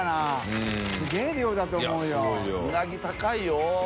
うなぎ高いよ？